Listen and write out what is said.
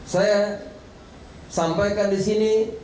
saya sampaikan di sini